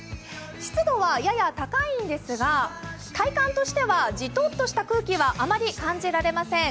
湿度はやや高いんですが、体感としてはじとっとした空気はあまり感じられません。